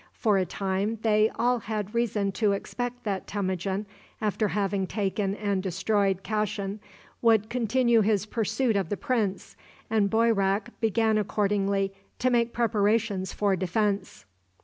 For a time they all had reason to expect that Temujin, after having taken and destroyed Kashin, would continue his pursuit of the prince, and Boyrak began accordingly to make preparations for defense.